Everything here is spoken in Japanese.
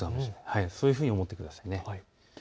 そういうふうに思ってください。